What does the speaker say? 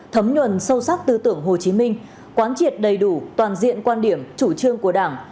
thấm nhuận sâu sắc tư tưởng hồ chí minh quán triệt đầy đủ toàn diện quan điểm chủ trương của đảng